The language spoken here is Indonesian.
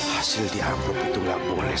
hasil diambil itu gak boleh